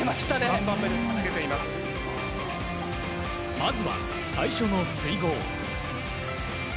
まずは最初の水濠。